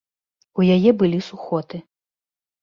У яе былі сухоты.